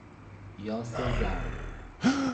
یاس زرد